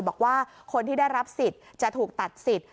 บอกว่าคนที่ได้รับสิทธิ์จะถูกตัดสิทธิ์